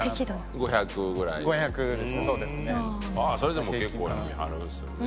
それでも結構飲みはるんですね。